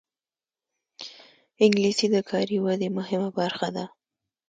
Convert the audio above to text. انګلیسي د کاري ودې مهمه برخه ده